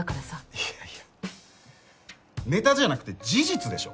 いやいやネタじゃなくて事実でしょ。